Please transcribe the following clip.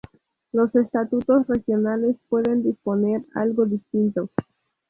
Los estatutos regionales pueden disponer algo distinto.